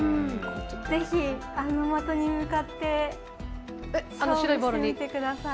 ぜひ、的に向かって投げてみてください。